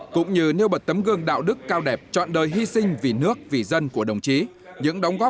cũng như nêu bật tấm gương đạo đức cao đẹp chọn đời hy sinh vì nước vì dân của đồng chí những đóng góp của đồng chí đối với quê hương lạng sơn và đất nước